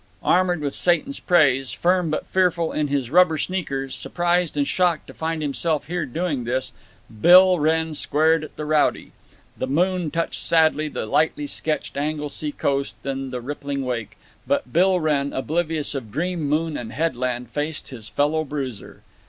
Armored with Satan's praise, firm but fearful in his rubber sneakers, surprised and shocked to find himself here doing this, Bill Wrenn squared at the rowdy. The moon touched sadly the lightly sketched Anglesey coast and the rippling wake, but Bill Wrenn, oblivious of dream moon and headland, faced his fellow bruiser.